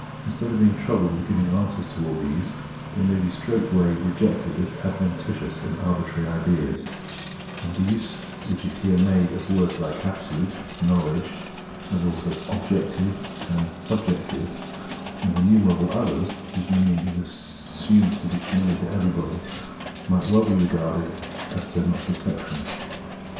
Instead of being troubled with giving answers to all these, they may be straight way rejected as adventitious and arbitrary ideas; and the use which is here made of words like " absolute," "knowledge," as also "objective" and "subjective," and innumerable others, whose meaning is assumed to be famihar to everyone, might well be regarded as so much deception.